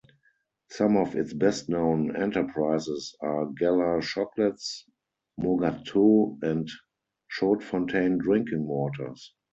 Some of its best-known enterprises are Galler chocolates, Magotteaux and Chaudfontaine drinking waters.